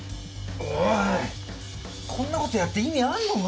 おいこんな事やって意味あるのか？